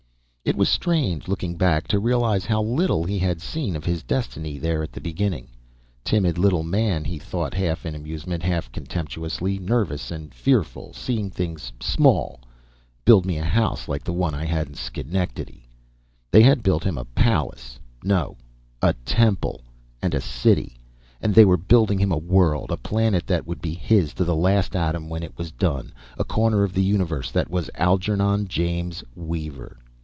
It was strange, looking back, to realize how little he had seen of his destiny, there at the beginning. Timid little man, he thought half in amusement, half contemptuously: nervous and fearful, seeing things small. Build me a house, like the one I had in Schenectady! They had built him a palace no, a temple and a city; and they were building him a world. A planet that would be his to the last atom when it was done; a corner of the universe that was Algernon James Weaver.